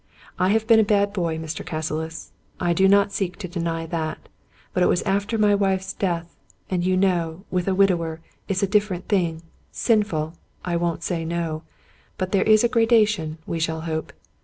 I have been a bad boy, Mr. Cassilis ; I do not seek to deny that ; but it was after my wife's death, and you know, with a widower, it's a different thing: sinful ^ I won't say no ; but there is a gradation, we shall hope.